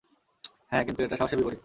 হ্যাঁ, কিন্তু এটা সাহসের বিপরীত।